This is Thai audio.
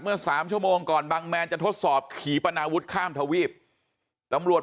สามชั่วโมงก่อนบังแมนจะทดสอบขี่ปนาวุฒิข้ามทวีปตำรวจ